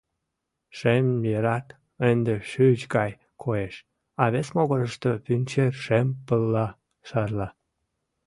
Шемъерат ынде шӱч гай коеш, а вес могырышто пӱнчер шем пылла шарла.